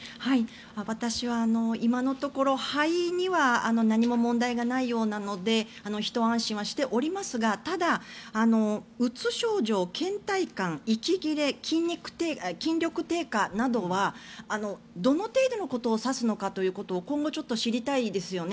私は今のところ肺には何も問題がないようなのでひと安心はしておりますがただ、うつ症状けん怠感、息切れ筋力低下などはどの程度のことを指すのかということを今後知りたいですよね。